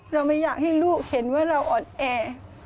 เราไม่อยากให้ลูกเห็นว่าเราอ่อนแอ